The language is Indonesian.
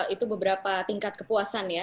itu beberapa tingkat kepuasan ya